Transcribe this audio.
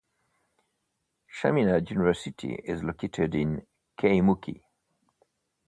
Chaminade University is located in Kaimuki.